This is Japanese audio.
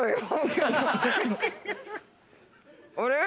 あれ？